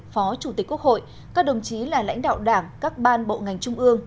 phó chủ tịch quốc hội các đồng chí là lãnh đạo đảng các ban bộ ngành trung ương